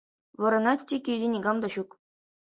Вӑранать те — килте никам та ҫук.